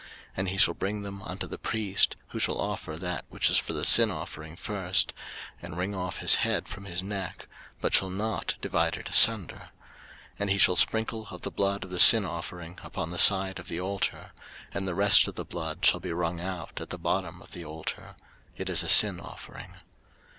03:005:008 And he shall bring them unto the priest, who shall offer that which is for the sin offering first, and wring off his head from his neck, but shall not divide it asunder: 03:005:009 And he shall sprinkle of the blood of the sin offering upon the side of the altar; and the rest of the blood shall be wrung out at the bottom of the altar: it is a sin offering.